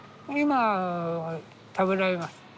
今は食べられます。